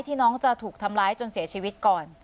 น้องจะถูกทำร้ายจนเสียชีวิตก่อน